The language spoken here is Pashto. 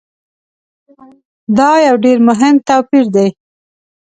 دا یو ډېر مهم توپیر دی.